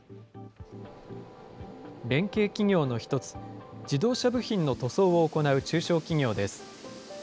連携企業の一つ、自動車部品の塗装を行う中小企業です。